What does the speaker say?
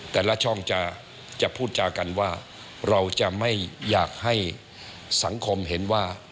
แต่ละช่องจะพูดจากันว่าเราจะไม่อยากให้สังคมเห็นว่า